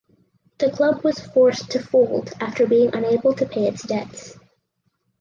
The club was forced to fold after being unable to pay its debts.